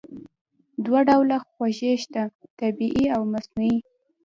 دوه ډوله خوږې شته: طبیعي او مصنوعي.